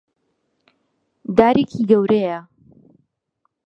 دارێکی گەورەیە.